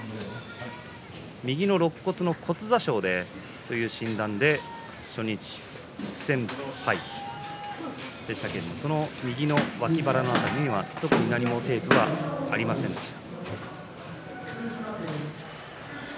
右のろっ骨の骨挫傷という診断で初日、不戦敗でしたけれども右の脇腹の辺りには、特に何もテープはありませんでした。